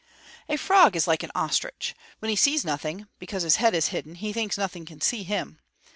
A frog is like an ostrich. When he sees nothing, because his head is hidden, he thinks nothing can see him.